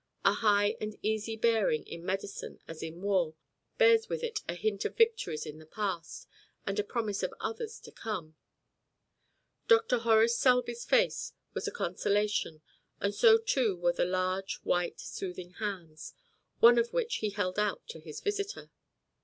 A high and easy bearing in medicine as in war bears with it a hint of victories in the past, and a promise of others to come. Dr. Horace Selby's face was a consolation, and so too were the large, white, soothing hands, one of which he held out to his visitor.